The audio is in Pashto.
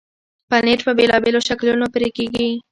پنېر په بېلابېلو شکلونو پرې کېږي.